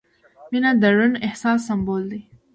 • مینه د روڼ احساس سمبول دی.